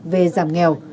về giảm nghèo